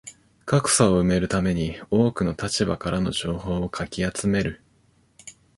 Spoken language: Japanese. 格差を埋めるために多くの立場からの情報をかき集める